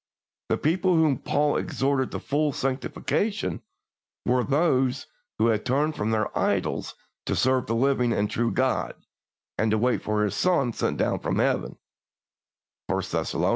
The people whom Paul exhorted to full sanctification were those who had turned from their idols to serve the living and true God, and to wait for His Son sent down from Heaven (I Thess.